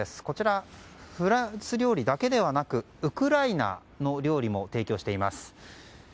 こちらフランス料理だけではなくウクライナの料理も提供しています。